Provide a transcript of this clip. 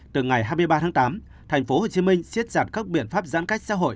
từ ngày hai mươi ba tháng tám thành phố hồ chí minh siết giặt các biện pháp giãn cách xã hội